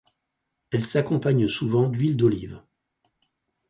Elle s'accompagne souvent d'huile d'olive.